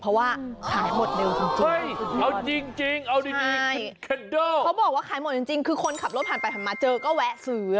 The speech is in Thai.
เพราะว่าขายหมดเลยจริงเขาบอกว่าขายหมดจริงคือคนขับรถผ่านไปผ่านมาเจอก็แวะซื้อ